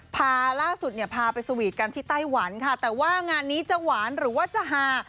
พาล่าสุดเนี่ยพาไปสวีทกันที่ไต้หวันค่ะแต่ว่างานนี้จะหวานหรือว่าจะฮา